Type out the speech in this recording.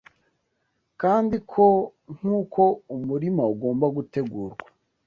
kandi ko nk’uko umurima ugomba gutegurwa